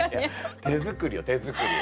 手作りよ手作り。